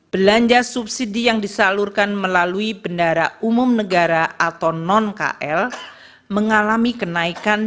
belanja subsidi yang disalurkan melalui bnd atau non kl mengalami kenaikan